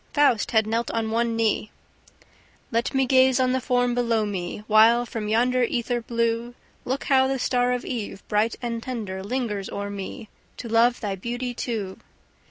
Faust had knelt on one knee: "Let me gaze on the form below me, While from yonder ether blue Look how the star of eve, bright and tender, lingers o'er me, To love thy beauty too!"